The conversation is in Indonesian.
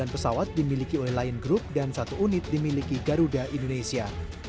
sembilan pesawat dimiliki oleh lion group dan satu unit dimiliki garuda indonesia